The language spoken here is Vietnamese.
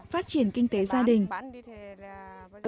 phát triển kinh tế gia đình